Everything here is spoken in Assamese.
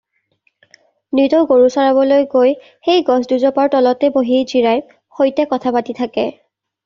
নিতৌ গৰু চৰাবলৈ গৈ সেই গছ দুজোপাৰ তলতে বহি জিৰাই সৈতে কথা পাতি থাকে।